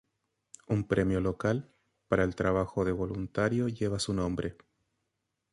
Un premio local para el trabajo de voluntario lleva su nombre.